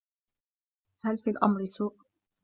هل في الأمر سوء؟